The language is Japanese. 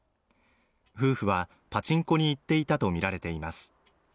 夫婦はパチンコに行っていたと見られています